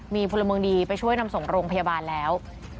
มีพลเมืองดีไปช่วยนำส่งโรงพยาบาลแล้ว